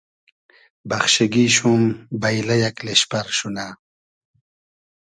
بئخشیگی شوم بݷلۂ یئگ لیشپئر شونۂ